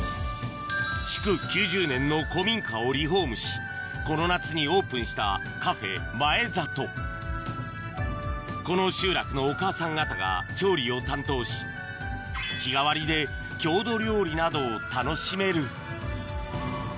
築９０年の古民家をリフォームしこの夏にオープンしたこの集落のお母さん方が調理を担当し日替わりで郷土料理などを楽しめるうわ！